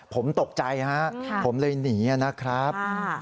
ผมตกใจฮะผมเลยหนีนะครับ